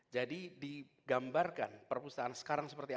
jadi digambarkan perpustakaan sekarang seperti ini